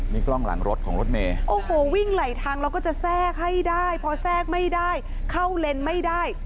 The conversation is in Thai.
นี่กล้องหลังรถของรถเมย์โอ้โหวิ่งไหลทางแล้วก็จะแทรกให้ได้พอแทรกไม่ได้เข้าเลนไม่ได้